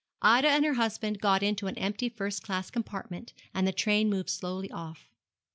Ida and her husband got into an empty first class compartment and the train moved slowly off.